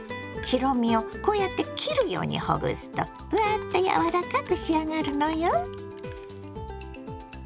白身をこうやって切るようにほぐすとふわっとやわらかく仕上がるのよ。